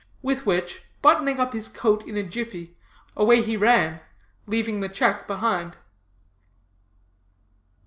With which, buttoning up his coat in a jiffy, away he ran, leaving the check behind.